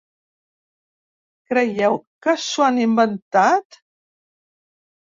Creieu que s’ho han inventat?